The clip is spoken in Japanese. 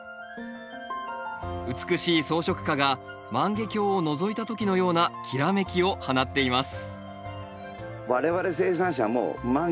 美しい装飾花が万華鏡をのぞいた時のようなきらめきを放っています